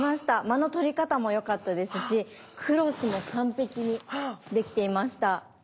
間の取り方も良かったですしクロスも完璧にできていました。